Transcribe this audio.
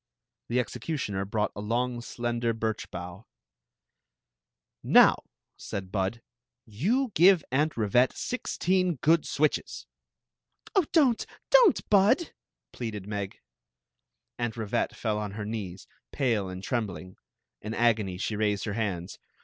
The executioner brought a long, slender birch bough. " Now," said Bud, you give Aunt Rivette sixteen good switches." ''Oh, dont! I>ont, Bud!" pleaded M^. Aunt Rivette fell on her knees, pale and trembling. In agony she raised her hands.